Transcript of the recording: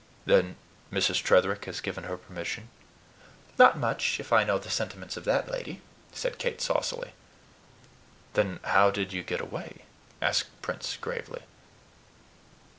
"Then Mrs. Tretherick has given her permission?" "Not much, if I know the sentiments of that lady," replied Kate saucily. "Then how did you get away?" asked Prince gravely.